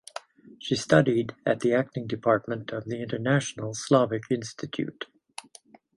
She studied at the acting department of the "International Slavic Institute".